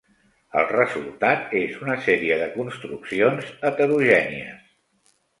El resultat és una sèrie de construccions heterogènies.